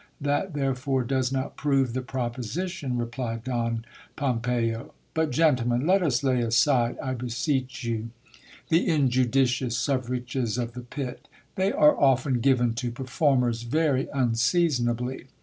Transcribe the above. That therefore does not prove the proposition, replied Don Pompeyo. But, gentlemen, let us lay aside, I beseech you, the injudicious suffrages of the pit ; they are often given to per formers very unseasonably.